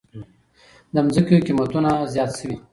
د زمکو قيمتونه زیات شوي دي